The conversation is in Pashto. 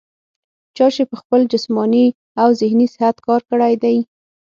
چا چې پۀ خپل جسماني او ذهني صحت کار کړے دے